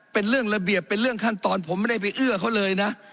เป็นเรื่องระเบียบเป็นเรื่องขั้นตอนผมไม่ได้ไปเอื้อเขาเลยนะ